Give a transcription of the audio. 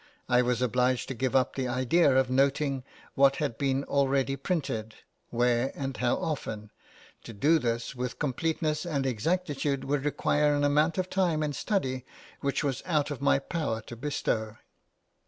I was obliged to give up the idea of noting what had been already printed, where, and how often; to do this with completeness and exactitude would require an amount of time and study which it was out of my power to bestow.